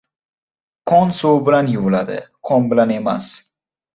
• Qon suv bilan yuviladi, qon bilan emas.